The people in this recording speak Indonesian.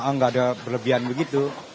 nggak ada berlebihan begitu